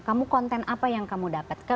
kamu konten apa yang kamu dapatkan